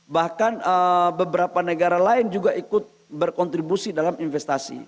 bahkan beberapa negara lain juga ikut berkontribusi dalam investasi